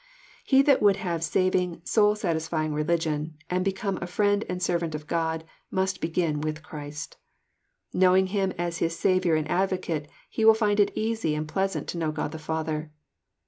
Ho that would have saving, soul satisfying religion, and. be come a ftiend and servant of God, must begin with Christ. Knowing Him as his Saviour and Advocate, he will find it easy and pleasant to know God the Father.